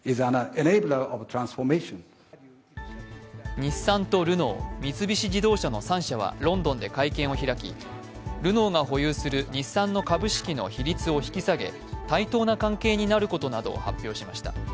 日産とルノー、三菱自動車の３社はロンドンで会見を開き、ルノーが保有する日産の株式の比率を引き下げ対等な関係になることなどを発表しました。